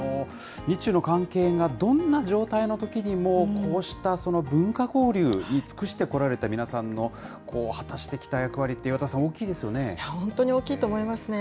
日中の関係がどんな状態のときにも、こうした文化交流に尽くしてこられた皆さんの果たしてきた役本当に大きいと思いますね。